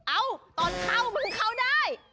เอ้าตอนเข้ามึงเข้าได้